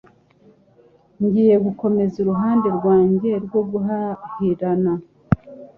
Ngiye gukomeza uruhande rwanjye rwo guhahirana.